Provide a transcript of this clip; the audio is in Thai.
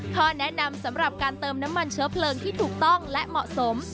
ข้อแนะนำสำหรับการเติมน้ำมันเชื้อเพลิงที่ถูกต้องและเหมาะสม